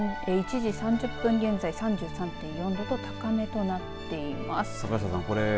まだ気温は１時３０分現在３３．４度と高めとなっています。